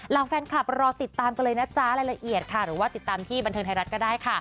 แฟนคลับรอติดตามกันเลยนะจ๊ะรายละเอียดค่ะหรือว่าติดตามที่บันเทิงไทยรัฐก็ได้ค่ะ